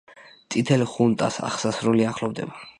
წითელი ხუნტას აღსასრული ახლოვდება.